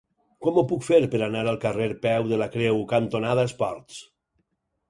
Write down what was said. Com ho puc fer per anar al carrer Peu de la Creu cantonada Esports?